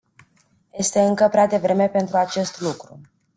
Este încă prea devreme pentru acest lucru.